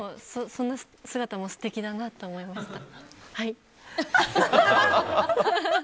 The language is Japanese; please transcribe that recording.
そんな姿も素敵だなと思いました。